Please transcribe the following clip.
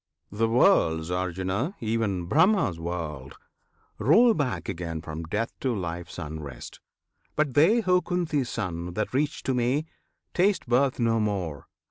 The worlds, Arjuna! even Brahma's world Roll back again from Death to Life's unrest; But they, O Kunti's Son! that reach to Me, Taste birth no more.